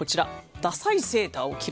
ダサいセーターを着る。